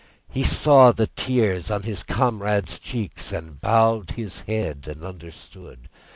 He saw the tears on his comrade's cheeks, and bowed his head and understood.